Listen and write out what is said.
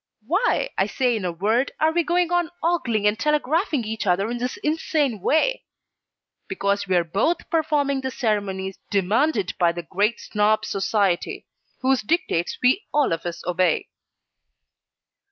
Why, I say in a word, are we going on ogling and telegraphing each other in this insane way? Because we are both performing the ceremonies demanded by the Great Snob Society; whose dictates we all of us obey.